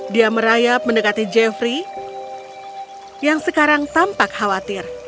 dia merayap mendekati jeffrey yang sekarang tampak khawatir